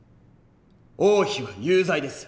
王妃は有罪です。